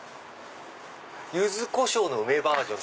ゆずこしょうの梅バージョン。